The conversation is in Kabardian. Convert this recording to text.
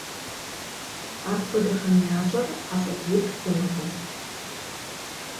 Апхуэдэхэм ящӏэр ӏэщӏэбууд хъунукъым.